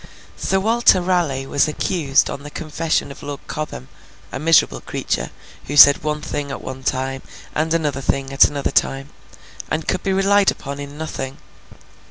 Sir Walter Raleigh was accused on the confession of Lord Cobham—a miserable creature, who said one thing at one time, and another thing at another time, and could be relied upon in nothing.